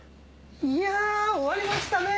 いや終わりましたね！